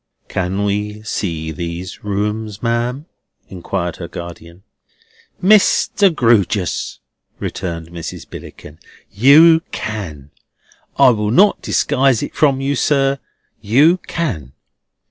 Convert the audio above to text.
"Can we see these rooms, ma'am?" inquired her guardian. "Mr. Grewgious," returned Mrs. Billickin, "you can. I will not disguise it from you, sir; you can."